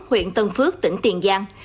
huyện tân phước tỉnh tiền giang